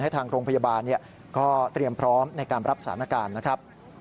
ทางโรงพยาบาลก็เตรียมพร้อมในการรับสถานการณ์นะครับ